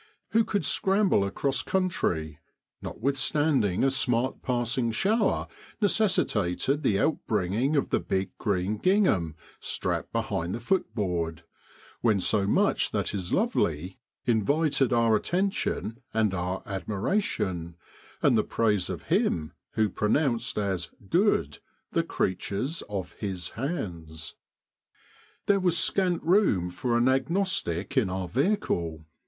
Who could scramble across country, notwith standing a smart passing shower necessitated the outbringing of the big green gingham strapped behind the footboard, when so much that is lovely invited our From Photo by HOW THE BROADS GROW UP. [Mr. Payne Jennings. attention and our admiration, and the praise of Him who pronounced as * good ' the creatures of His hands ? There was scant room for an agnostic in our vehicle.